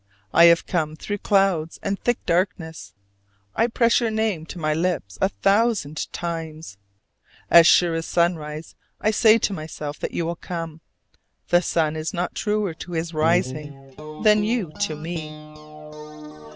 I have come through clouds and thick darkness. I press your name to my lips a thousand times. As sure as sunrise I say to myself that you will come: the sun is not truer to his rising than you to me.